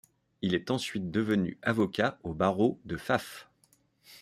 Il est ensuite devenu avocat au barreau de Fafe.